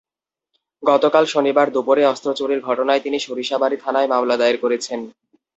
গতকাল শনিবার দুপুরে অস্ত্র চুরির ঘটনায় তিনি সরিষাবাড়ী থানায় মামলা দায়ের করেছেন।